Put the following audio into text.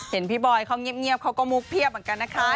เห็นพี่บร่อยเขวกมุกเพียบเหมือนกัน